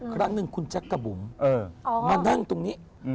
ครั้งหนึ่งคุณจักรบุ๋มมานั่งตรงนี้